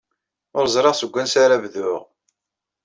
Ur ẓriɣ seg wansi ara bduɣ.